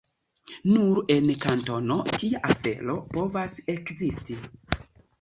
Nur en Kantono tia afero povas ekzisti.